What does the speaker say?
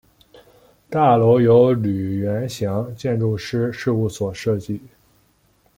大楼由吕元祥建筑师事务所设计。